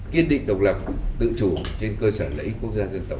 kiên định độc lập tự chủ trên cơ sở lãnh lý quốc gia dân tộc